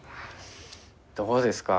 どうですか？